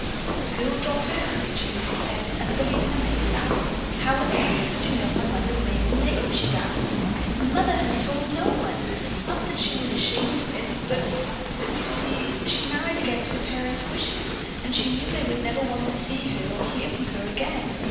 The girl dropped her handkerchief and stared in unbelieving amazement. "How in the world did you know my mother's maiden name?" she gasped. "Mother has told no one. Not that she was ashamed of it, but—but—you see, she married against her parents' wishes and she knew they would never want to see or hear from her again.